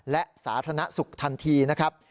และสาธารณสุขทันทีนะครับ